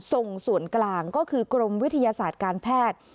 ส่งส่วนกลางก็คือกรมวิทยาศาสตร์การแพทย์